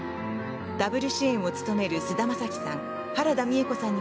ダブル主演を務める菅田将暉さん